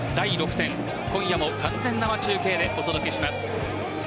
今夜も完全生中継でお届けします。